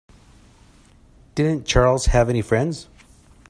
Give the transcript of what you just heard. Didn't Charles have any friends?